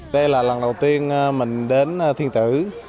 đây là lần đầu tiên mình đến thiên tử